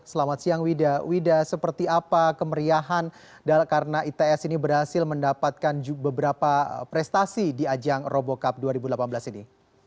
selamat siang wida wida seperti apa kemeriahan karena its ini berhasil mendapatkan beberapa prestasi di ajang robo cup dua ribu delapan belas ini